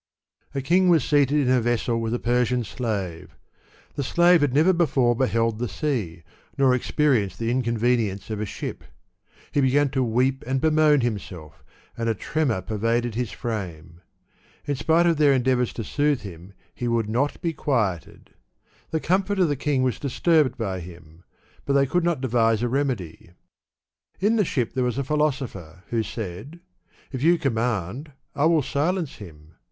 A king was seated in a vessel with a Persian slave. The slave had never before beheld the sea, nor expe rienced the inconvenience of a ship. He began to weep and bemoan himself, and a tremor pervaded his frame. In spite of their endeavors to soothe him, he would not be quieted. The comfort of the king was disturbed by him ; but they could not devise a remedy. . In the ship there was a philosopher, who said, " If you command, I will silence him."